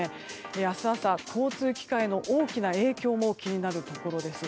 明日朝交通機関への大きな影響も気になるところです。